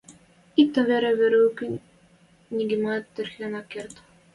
Иктӹм веле Верук нигынамат тырхен ак керд: